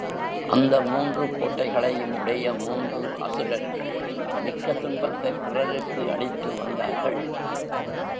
அந்த மூன்று கோட்டைகளையும் உடைய மூன்று அசுரர்கள் மிக்க துன்பத்தைப் பிறருக்கு அளித்து வந்தார்கள்.